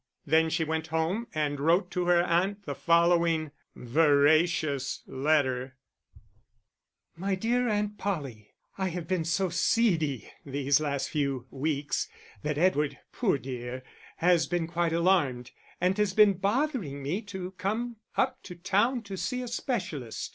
Then she went home, and wrote to her aunt the following veracious letter: _My dear Aunt Polly, I have been so seedy these last few weeks that Edward, poor dear, has been quite alarmed; and has been bothering me to come up to town to see a specialist.